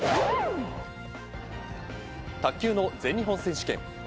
卓球の全日本選手権。